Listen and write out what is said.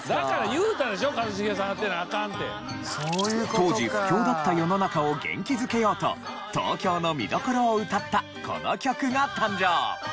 当時不況だった世の中を元気づけようと東京の見どころを歌ったこの曲が誕生。